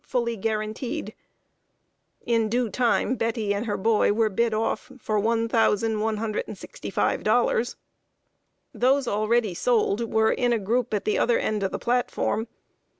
Fully guaranteed." In due time, Betty and her boy were bid off for $1,165. [Sidenote: SALE OF A WHITE GIRL.] Those already sold were in a group at the other end of the platform.